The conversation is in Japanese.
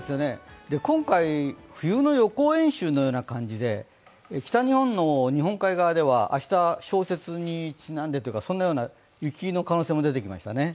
今回、冬の予行演習のような感じで、北日本の日本海側では明日、小雪にちなんでというような雪の可能性も出てきました。